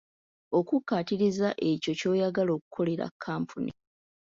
Okukkatiriza ekyo ky'oyagala okukolera kkampuni.